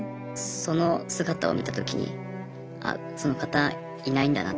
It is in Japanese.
その姿を見た時にあっその方いないんだなと。